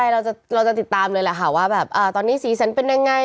เราจะติดตามเลยแหละค่ะว่าแบบตอนนี้สีสันเป็นยังไง